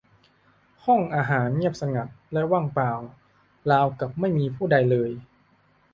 ห้องอาหารเงียบสงัดและว่างเปล่าราวกับไม่มีผู้ใดเลย